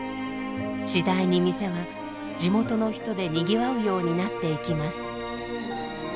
次第に店は地元の人でにぎわうようになっていきます。